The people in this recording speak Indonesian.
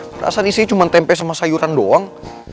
perasaan isinya cuma tempe sama sayuran doang